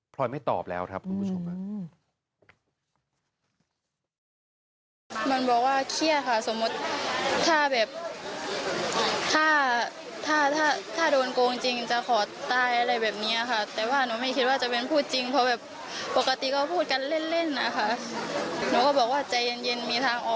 พลอยไม่ตอบแล้วครับคุณผู้ชม